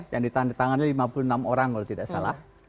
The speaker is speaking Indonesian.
yang ditandatangani lima puluh enam orang kalau tidak salah